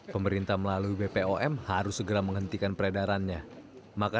pemerintah melalui bpom harus segera menghentikan peredarannya maka